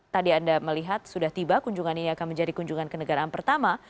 tadi anda melihat sudah tiba kunjungannya akan menjadi kunjungan ke negara pertama